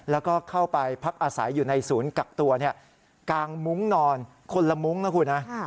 แล้วก็เข้าไปพักอาศัยอยู่ในศูนย์กักตัวกางมุ้งนอนคนละมุ้งนะคุณฮะ